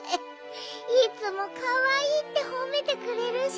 いつもかわいいってほめてくれるし。